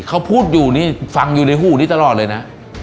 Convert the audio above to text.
เขาพูดอยู่นี่ฟังอยู่ในหูนี้ตลอดเลยนะ